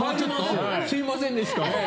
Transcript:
すみませんでした。